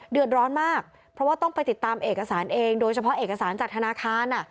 เดือดร้อนมากเพราะว่าต้องไปติดตามเอกสารเองโดยเฉพาะเอกสารจากธนาคาร